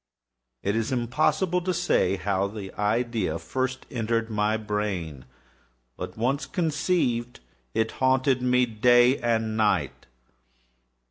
It is impossible to say how first the idea entered my brain; but once conceived, it haunted me day and night.